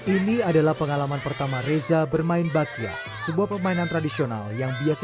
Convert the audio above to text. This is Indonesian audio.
ini adalah pengalaman pertama reza bermain bakya sebuah permainan tradisional yang biasa